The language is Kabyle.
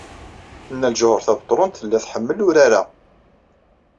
Nna Lǧuheṛ Tabetṛunt tella iḥemmel urar-a.